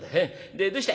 でどうした？